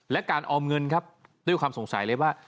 และการออมเงินครับด้วยความสงสัยเลยว่า